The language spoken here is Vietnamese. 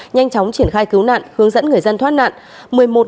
nhanh chóng triển khai cứu nạn hướng dẫn người dân thoát nạn